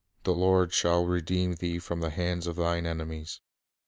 the Lord shall redeem thee from the hand of thine enemies.